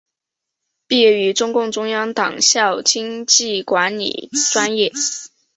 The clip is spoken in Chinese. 毕业于中共中央党校经济管理专业。